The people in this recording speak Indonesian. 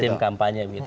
tim kampanye gitu